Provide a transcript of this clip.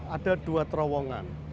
ada dua terowongan